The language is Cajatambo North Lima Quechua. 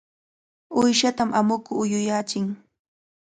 Uyshatam amuku uyuyachin.